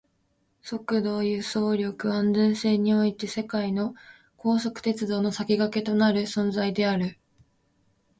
速度、輸送力、安全性において世界の高速鉄道の先駆けとなる存在である